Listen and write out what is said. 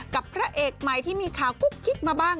กับพระเอกใหม่ที่มีข่าวกุ๊กมาบ้าง